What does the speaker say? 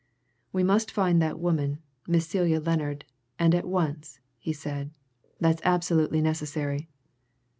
"We must find that woman Miss Celia Lennard and at once," he said. "That's absolutely necessary."